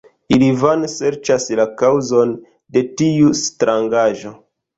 Ili vane serĉas la kaŭzon de tiu strangaĵo.